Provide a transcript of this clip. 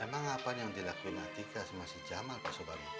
emang apa yang dilakuin atika sama si jamal pak soebari